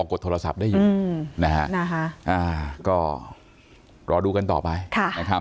กดโทรศัพท์ได้อยู่นะฮะก็รอดูกันต่อไปนะครับ